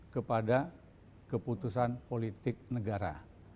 kepada keputusan politik negara